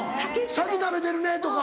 「先食べてるね」とか。